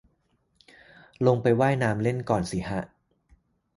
ลงไปว่ายน้ำเล่นก่อนสิฮะ